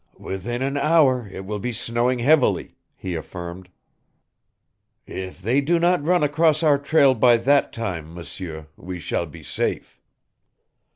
"Within an hour it will be snowing heavily," he affirmed. "If they do not run across our trail by that time, M'seur, we shall be safe."